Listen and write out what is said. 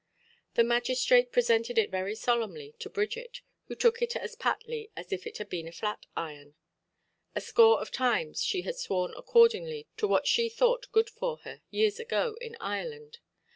The magistrate presented it very solemnly to Bridget, who took it as patly as if it had been a flat iron. A score of times she had sworn according to what was thought good for her, years ago, in Ireland.